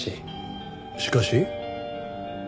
「しかし」？